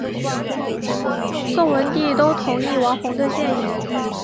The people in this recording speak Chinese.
宋文帝都同意王弘的建议。